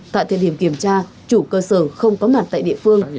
tại thời điểm kiểm tra chủ cơ sở không có mặt tại địa phương